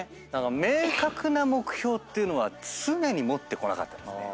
明確な目標っていうのは常に持ってこなかったですね。